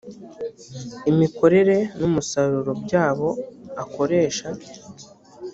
imikorere n umusaruro by abo akoresha